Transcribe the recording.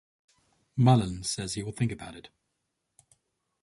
Mullen says he will think about it.